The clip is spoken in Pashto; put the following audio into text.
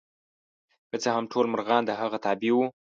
که څه هم ټول مرغان د هغه تابع وو.